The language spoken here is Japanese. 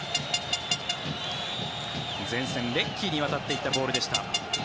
前線、レッキーに渡っていったボールでした。